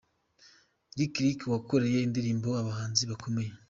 Lick Lick wakoreye indirimbo abahanzi bakomeye.